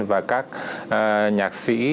và các nhạc sĩ